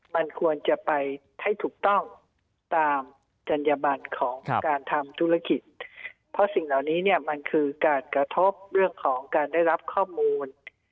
มันควรจะไปให้ถูกต้องตามจัญญบันของการทำธุรกิจเพราะสิ่งเหล่านี้เนี่ยมันคือการกระทบเรื่องของการได้รับข้อมูล